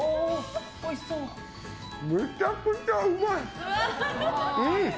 めちゃくちゃうまい。